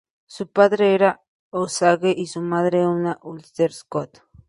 Su padre era un osage y su madre una Ulster-Scots.